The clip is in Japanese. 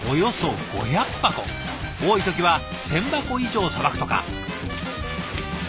多い時は１，０００箱以上さばくとか。